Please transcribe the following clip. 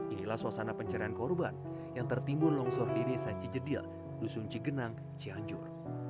inilah suasana pencarian korban yang tertimbun longsor di desa cijedil dusun cigenang cianjur